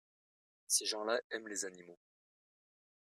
Ces gens-là aiment les animaux.